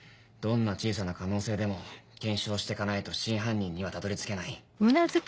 どんな小さな可能性でも検証して行かないと真犯人にはたどり着けない。